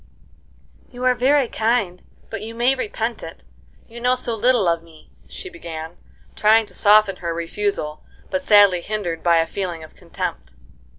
"You are very kind, but you may repent it, you know so little of me," she began, trying to soften her refusal, but sadly hindered by a feeling of contempt.